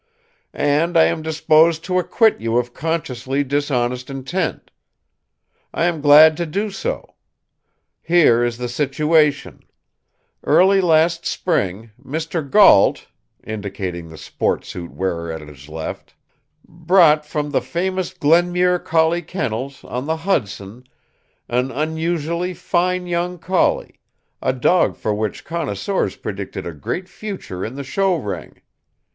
"And I am disposed to acquit you of consciously dishonest intent. I am glad to do so. Here is the situation: Early last spring, Mr. Gault," indicating the sport suit wearer at his left, "bought from the famous Glenmuir Collie Kennels, on the Hudson, an unusually fine young collie a dog for which connoisseurs predicted a great future in the show ring.